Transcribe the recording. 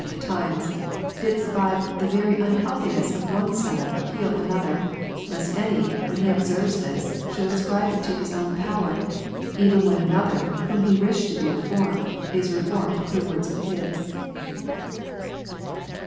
171 of the tide of times p, didst by the very unhealthiness of one soul, heal another ; lest any, when he observes this, should ascribe it to his own power, even when another, whom he wished to be reformed, is reformed through words of his. [IX.